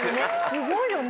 すごいよね。